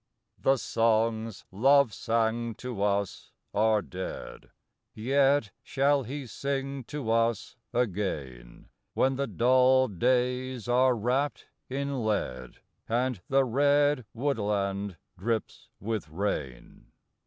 The songs Love sang to us are dead; Yet shall he sing to us again, When the dull days are wrapped in lead, And the red woodland drips with rain.